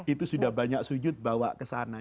itu sudah banyak sujud bawa ke sana